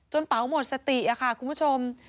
จนเป๋าหมดสติคุณผู้ชม